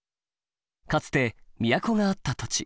かつて都があった土地。